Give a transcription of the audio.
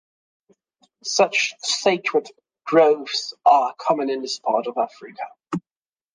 Such sacred groves are common in this part of Africa.